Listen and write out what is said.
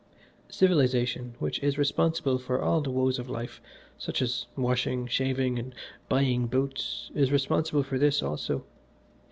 "Civilisation, which is responsible for all the woes of life, such as washing, shaving and buying boots, is responsible for this also.